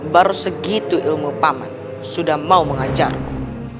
baru segitu ilmu paman sudah mau mengancamku